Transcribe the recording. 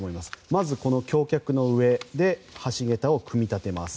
まず、この橋脚の上で橋桁を組み立てます。